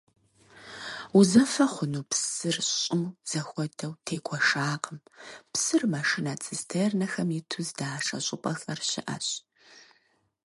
Узэфэ хъуну псыр щӀым зэхуэдэу тегуэшакъым, псыр машинэ-цистернэхэм иту здашэ щӀыпӀэхэр щыӀэщ.